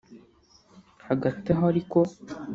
Hagati aho ariko